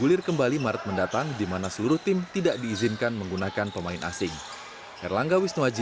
tergulir kembali maret mendatang di mana seluruh tim tidak diizinkan menggunakan pemain asing